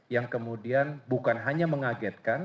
yang kemudian bukan hanya mengagetkan